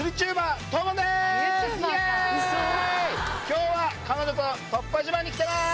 今日は彼女と突破島に来てます。